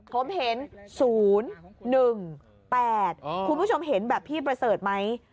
ผมเห็น๐๑๘คุณผู้ชมเห็นแบบพี่ประเสริฐไหม